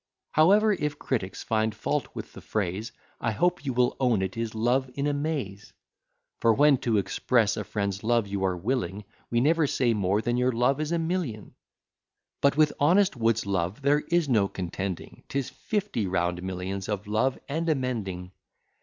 However, if critics find fault with the phrase, I hope you will own it is Love in a Maze: For when to express a friend's love you are willing, We never say more than your love is a million; But with honest Wood's love there is no contending, 'Tis fifty round millions of love and a mending.